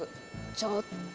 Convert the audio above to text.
ちょっと。